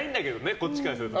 こっちからすると。